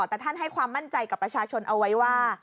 แต่ท่านให้ความมั่นใจกับประชาชนเอาไว้ว่า